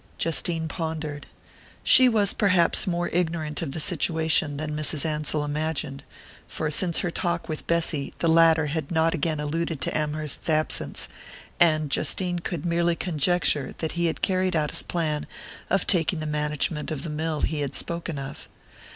Justine pondered. She was perhaps more ignorant of the situation than Mrs. Ansell imagined, for since her talk with Bessy the latter had not again alluded to Amherst's absence, and Justine could merely conjecture that he had carried out his plan of taking the management of the mill he had spoken of.